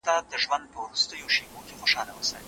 ظرفیتي اغېزې تل لوړه عرضه رامنځته کوي.